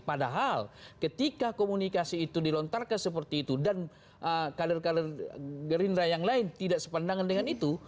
padahal ketika komunikasi itu dilontarkan seperti itu dan kader kader gerindra yang lain tidak sepandangan dengan itu